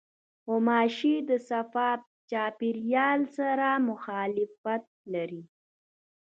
غوماشې د صفا چاپېریال سره مخالفت لري.